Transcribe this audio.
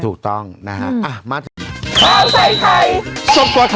ถูกต้องนะครับ